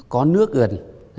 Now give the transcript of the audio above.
có nước gần